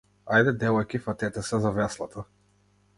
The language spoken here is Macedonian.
Ајде девојки фатете се за веслата.